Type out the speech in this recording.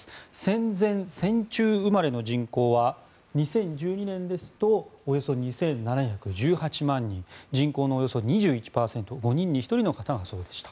戦前・戦中生まれの人口は２０１２年ですとおよそ２７１８万人人口のおよそ２１％５人に１人の方がそうでした。